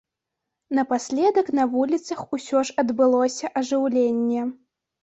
Напаследак на вуліцах усё ж адбылося ажыўленне.